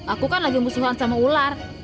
aku kan lagi musuhan sama ular